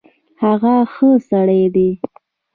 هغه ښۀ سړی ډی